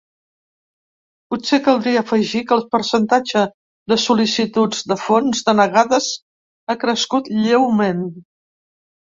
Potser caldria afegir que el percentatge de sol·licituds de fons denegades ha crescut lleument.